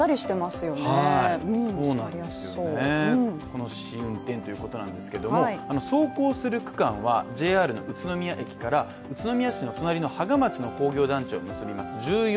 この試運転ということなんですけども走行する区間はＪＲの宇都宮駅から宇都宮市の隣の芳賀町の工業団地を結びます。